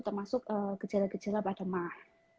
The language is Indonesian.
termasuk gejala gejala pada mah